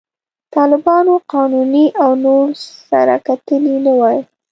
طالبانو، قانوني او نور سره کتلي نه وای.